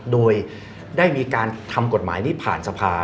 โดยได้มีการทำกฎหมายนี้ผ่านสภา